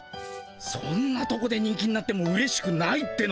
そんなとこで人気になってもうれしくないっての。